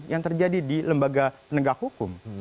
yang terjadi di lembaga penegak hukum